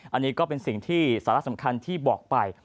อันนี้ก็เป็นสิ่งที่สาระสำคัญที่บอกไป